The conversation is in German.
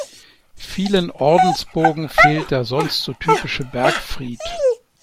Vielen Ordensburgen fehlt der sonst so typische Bergfried.